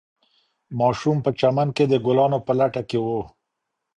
ماشوم په چمن کې د ګلانو په لټه کې و.